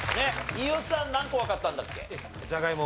飯尾さん何個わかったんだっけ？